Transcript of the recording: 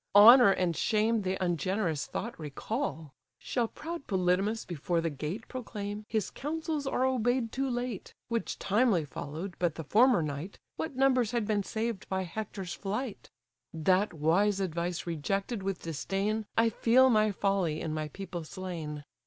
Honour and shame the ungenerous thought recall: Shall proud Polydamas before the gate Proclaim, his counsels are obey'd too late, Which timely follow'd but the former night, What numbers had been saved by Hector's flight? That wise advice rejected with disdain, I feel my folly in my people slain.